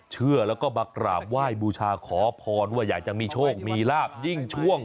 เชื่อแล้วก็มากราบไหว้บูชาขอพรว่าอยากจะมีโชคมีลาบยิ่งช่วง